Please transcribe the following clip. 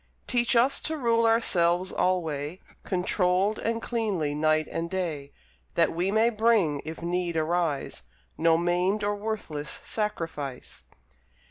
Teach us to rule ourselves alway, Controlled and cleanly night and day, That we may bring, if need arise, No maimed or worthless sacrifice.